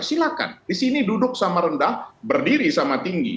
silakan di sini duduk sama rendah berdiri sama tinggi